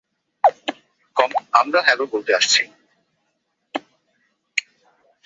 আমরা হ্যালো বলতে আসছি।